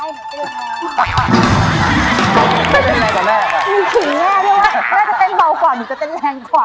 มีขิงแม่ด้วยว่าแม่จะเต้นเบากว่าหนูจะเต้นแรงกว่า